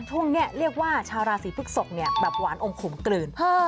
ช่วงนี้เรียกว่าชาวราศีพฤกษกเนี่ยแบบหวานอมขมกลืน